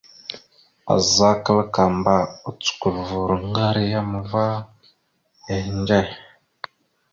Azza kǝlakamba, ocǝkulvurro ngar a yam va ehindze.